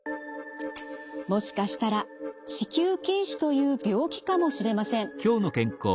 もしかしたら子宮筋腫という病気かもしれません。